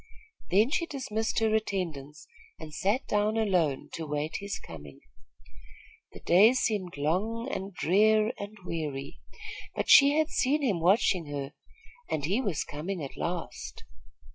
Then she dismissed her attendants and sat down alone to wait his coming. The day seemed long and drear and weary; but she had seen him watching her, and he was coming at last.